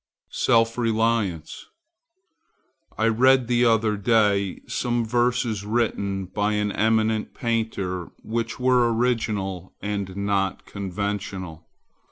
SELF RELIANCE I read the other day some verses written by an eminent painter which were original and not conventional.